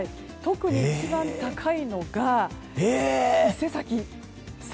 特に一番高いのが伊勢崎。